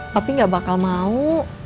papi gak bakal mau